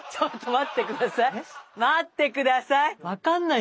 待って下さい！